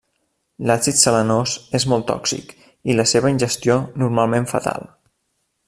L'àcid selenós és molt tòxic i la seva ingestió normalment fatal.